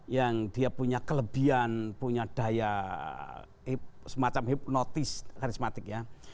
yang dia punya kelebihan punya daya semacam hipnotis karismatik ya